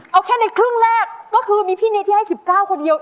เอาแค่ในครึ่งแรกก็คือมีพี่นิดที่ให้๑๙คนเดียว